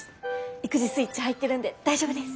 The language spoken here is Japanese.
育児スイッチ入ってるんで大丈夫です。